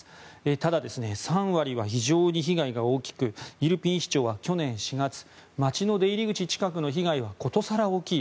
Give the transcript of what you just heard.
ただ、３割は非常に被害が大きくイルピン市長は去年４月街の出入り口近くの被害はことさら大きい。